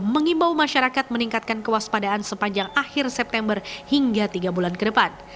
mengimbau masyarakat meningkatkan kewaspadaan sepanjang akhir september hingga tiga bulan ke depan